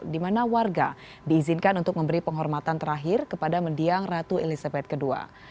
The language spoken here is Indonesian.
di mana warga diizinkan untuk memberi penghormatan terakhir kepada mendiang ratu elizabeth ii